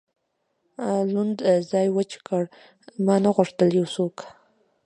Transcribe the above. لوند ځای وچ کړ، ما نه غوښتل یو څوک.